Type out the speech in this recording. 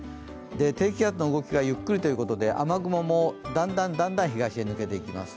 低気圧の動きがゆっくりということで雨雲もだんだん東へ抜けていきます。